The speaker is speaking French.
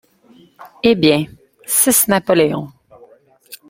Eh bien, six napoléons.